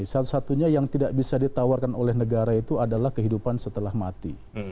satu satunya yang tidak bisa ditawarkan oleh negara itu adalah kehidupan setelah mati